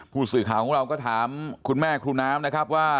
ผู้สื่อข่าวของเราก็ถามคุณแม่ครูน้ำนะครับว่า